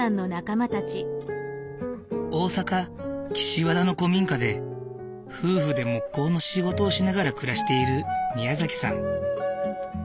大阪・岸和田の古民家で夫婦で木工の仕事をしながら暮らしているみやざきさん。